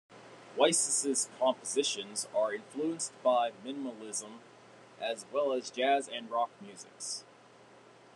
Weiss's compositions are influenced by minimalism, as well as jazz and rock musics.